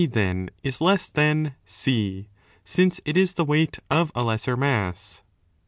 Z then is less than C, since it is the weight of a lesser mass.'